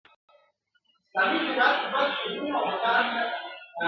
يوسف عليه السلام ئې په رسۍ وتاړه او څاه ته ئې کښته کړ.